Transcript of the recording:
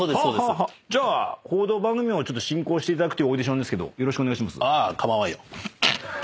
じゃあ報道番組を進行していただくというオーディションですけどよろしくお願いします。